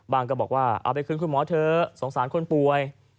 ก็บอกว่าเอาไปคืนคุณหมอเถอะสงสารคนป่วย